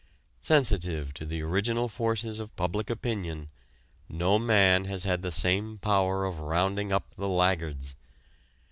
Sensitive to the original forces of public opinion, no man has had the same power of rounding up the laggards.